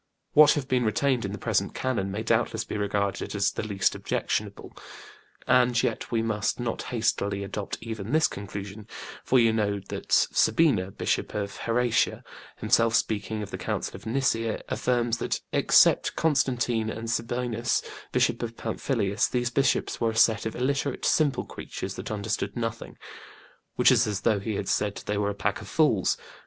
What have been retained in the present Canon may doubtless be regarded as the least objectionable. And yet we must not hastily adopt even this conclusion, for you know that Sabina, Bishop of Heracha, himself speaking of the Council of Nicea, affirms that "except Constantine and Sabinus, Bishop of Pamphilus, these bishops were a set of illiterate, simple creatures that understood nothing"; which is as though he had said they were a pack of fools.